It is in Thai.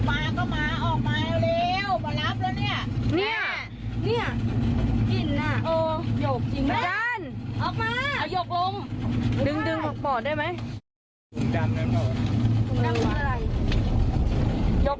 พนักปลาก็มาออกมาเร็วมันรับแล้วเนี่ย